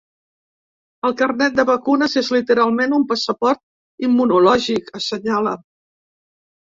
El carnet de vacunes és literalment un passaport immunològic, assenyala.